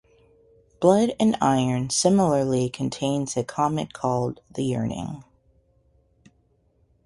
"Blood and Iron" similarly contains a comic called "The Yearning".